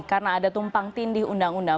karena ada tumpang tindih undang undang